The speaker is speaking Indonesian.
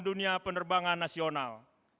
dunia penerbangan nasional